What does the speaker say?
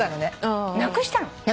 なくしたの？